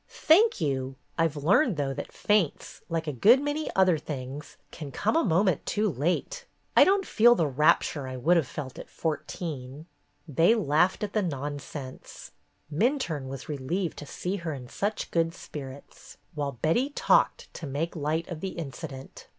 "Thank you. I 've learned, though, that faints, like a good many other things, can come a moment too late. I don't feel the rapture I would have felt at fourteen." THE FIRE 143 They laughed at the nonsense. Minturne was relieved to see her in such good spirits, while Betty talked to make light of the incident.